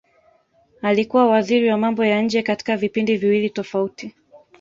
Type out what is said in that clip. Alikuwa waziri wa mambo ya nje katika vipindi viwili tofauti